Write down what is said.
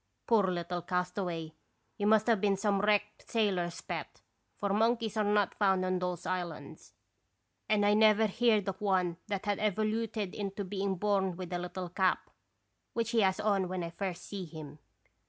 Poor little castaway, he must have been some wrecked sailor's pet, for monkeys are not found on those islands, and I never heerd of one that had evoluted into being born with a little cap, which he has on when I first see him.